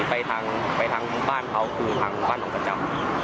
ไปทางบ้านเขาคือหังบ้านของพระเจ้า